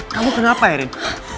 kamu kenapa erin